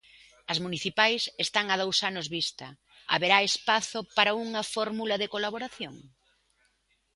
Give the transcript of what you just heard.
As municipais están a dous anos vista, haberá espazo para unha fórmula de colaboración?